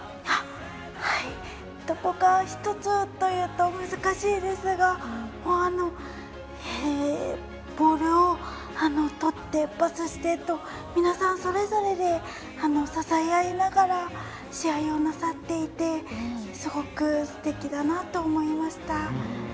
どこか１つというと難しいですが、ボールをとってパスしてと、皆さんそれぞれで支え合いながら試合をなさっていてすごくすてきだなと思いました。